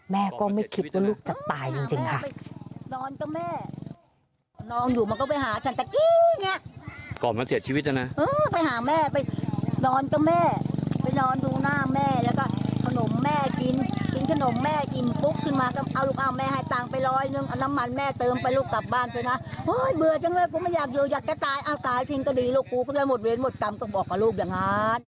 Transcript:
แม่ก็ไม่คิดว่าลูกจะตายจริงค่ะ